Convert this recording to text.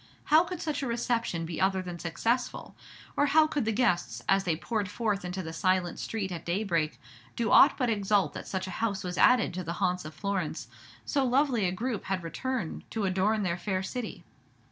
How could such a reception be other than successful; or how could the guests, as they poured forth into the silent street at daybreak, do aught but exult that such a house was added to the haunts of Florence, so lovely a group had returned to adorn their fair city?